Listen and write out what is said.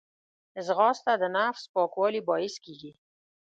ځغاسته د نفس پاکوالي باعث کېږي